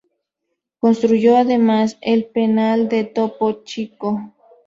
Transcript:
Construyó además el Penal del Topo Chico.